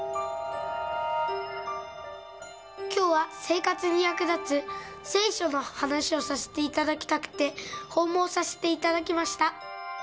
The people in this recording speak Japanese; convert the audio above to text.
きょうは生活に役立つ聖書の話をさせていただきたくて、訪問させていただきました。